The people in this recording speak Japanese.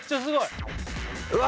うわ！